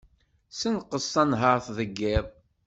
Senqes tanhart deg yiḍ.